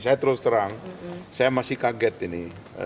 saya terus terang saya masih kaget ini